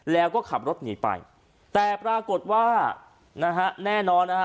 แล้วก็ขับรถหนีไปแต่ปรากฏว่านะฮะแน่นอนนะฮะ